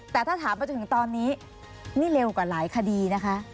แต่ถ้าถามไปจนถึงตอนนี้นี่เร็วกว่าหลายคดีนะคะ